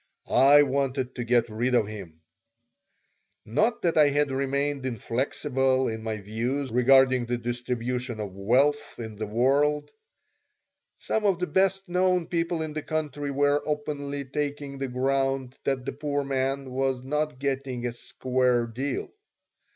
I wanted to get rid of him Not that I had remained inflexible in my views regarding the distribution of wealth in the world. Some of the best known people in the country were openly taking the ground that the poor man was not getting a "square deal."